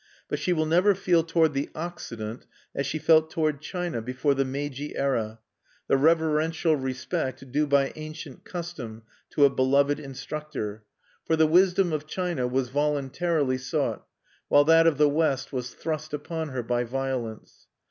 But she will never feel toward the Occident, as she felt toward China before the Meiji era, the reverential respect due by ancient custom to a beloved instructor; for the wisdom of China was voluntarily sought, while that of the West was thrust upon her by violence.